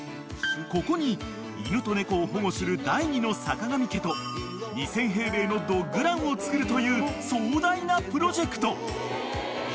［ここに犬と猫を保護する第２の坂上家と２，０００平米のドッグランをつくるという壮大なプロジェクト］